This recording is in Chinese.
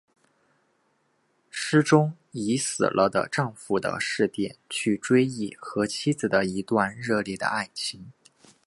诗中以死了的丈夫的视点去追忆和妻子的一段热烈的爱情。